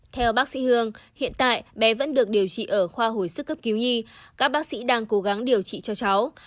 theo bác sĩ hương hiện tại bé vẫn được điều trị ở khoa hồi sức cấp cứu nhi các bác sĩ đang cố gắng điều trị cho cháu